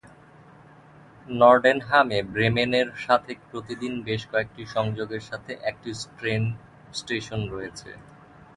নরডেনহামে ব্রেমেনের সাথে প্রতিদিন বেশ কয়েকটি সংযোগের সাথে একটি ট্রেন স্টেশন রয়েছে।